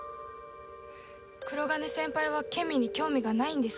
黒鋼先輩はケミーに興味がないんですか？